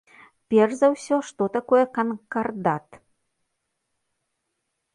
Перш за ўсё, што такое канкардат?